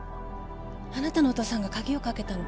あなたのお父さんが鍵をかけたの。